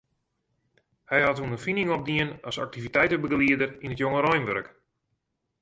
Hy hat ûnderfining opdien as aktiviteitebegelieder yn it jongereinwurk.